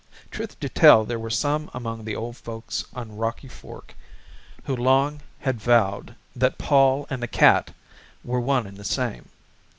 Truth to tell there were some among the old folks on Rocky Fork who long had vowed that Pol and the cat were one and the same.